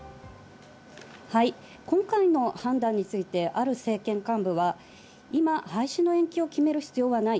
はい、今回の判断についてある政権幹部は今、廃止の延期を決める必要はない。